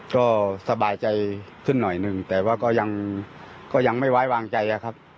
ก็สบายใจสิ้นหน่อยนึงแต่ว่าก็ยังก็ยังไม่ไวล์วางใจครับ